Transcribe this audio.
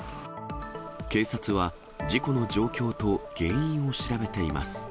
警察は事故の状況と原因を調べています。